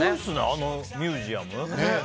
あのミュージアム。